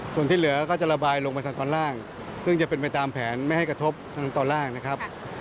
ส่วนที่เหลือก็จะระบายลงไปทางตอนล่างซึ่งจะเป็นไปตามแผนไม่ให้กระทบทั้งตอนล่างนะครับ